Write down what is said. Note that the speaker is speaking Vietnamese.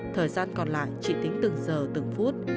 thời gian còn lại chỉ tính từng giờ từng phút